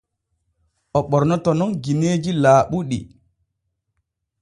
O ɓornoto nun gineeji laaɓuɗi.